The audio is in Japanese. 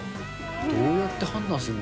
どうやって判断すんの？